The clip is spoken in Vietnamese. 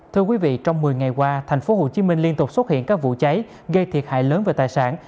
thưa quý vị trong một mươi ngày qua thành phố hồ chí minh liên tục xuất hiện các vụ cháy gây thiệt hại lớn về tài sản